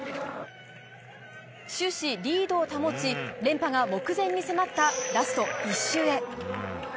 終始、リードを保ち、連覇が目前に迫ったラスト１周へ。